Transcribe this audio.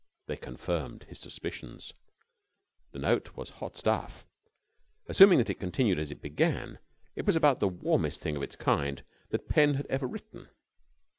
They confirmed his suspicions. The note was hot stuff. Assuming that it continued as it began, it was about the warmest thing of its kind that pen had ever written.